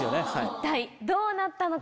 一体どうなったのか。